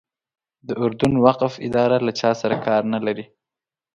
د اردن وقف اداره له چا سره کار نه لري.